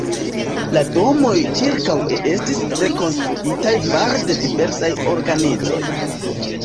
La domoj ĉirkaŭe estis rekonstruitaj fare de diversaj organizoj.